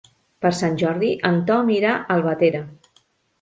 Per Sant Jordi en Tom irà a Albatera.